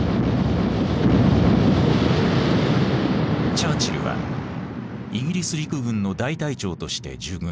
チャーチルはイギリス陸軍の大隊長として従軍していた。